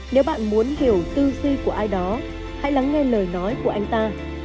nếu bạn muốn hiểu tư duy của ai đó hãy lắng nghe lời nói của anh ta